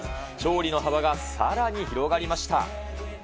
調理の幅がさらに広がりました。